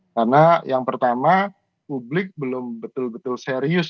karena yang pertama publik belum betul betul serius